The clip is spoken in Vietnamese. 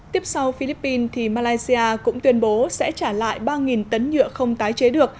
tiếp sau philippines thì malaysia cũng tuyên bố sẽ trả lại ba tấn nhựa không tái chế được